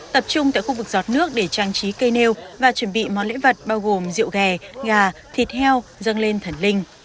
tập trung tại khu vực giọt nước để trang trí cây nêu và chuẩn bị món lễ vật bao gồm rượu ghè gà thịt heo dâng lên thần linh